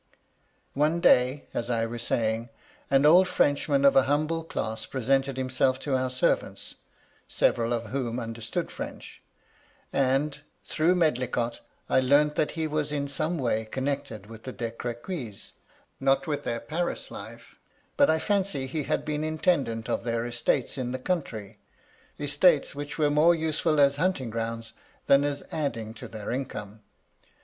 One day, as I was saying, an old Frenchman of a humble class presented himself to our servants, several of whom understood French ; and, through Medlicott, I learnt that he was in some way connected with the De Crequys ; not with their Paris life ; but I fancy he had been intendant of their estates in the country ; estates which were more useful as hunting grounds than as adding to their income.